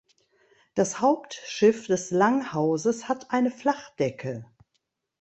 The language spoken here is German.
Das Hauptschiff des Langhauses hat eine Flachdecke.